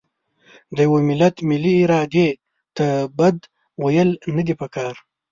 د یوه ملت ملي ارادې ته بد ویل نه دي پکار.